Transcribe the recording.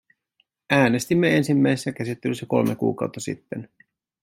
Äänestimme ensimmäisessä käsittelyssä kolme kuukautta sitten.